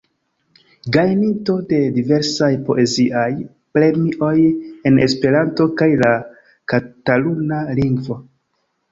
Gajninto de diversaj poeziaj premioj en Esperanto kaj la kataluna lingvo.